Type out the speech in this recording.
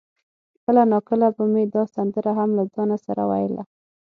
کله ناکله به مې دا سندره هم له ځانه سره ویله.